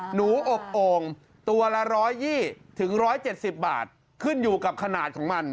หนูอบโอ่งตัวละ๑๒๐๑๗๐บาทขึ้นอยู่กับขนาดของมัน